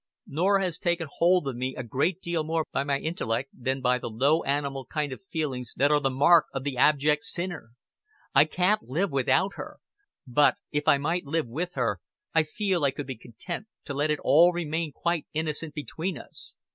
Norah has taken hold of me a great deal more by my int'lect than by the low animal kind of feelings that are the mark of the abject sinner. I can't live without her; but if I might live with her, I feel I could be content to let it all remain quite innocent between us.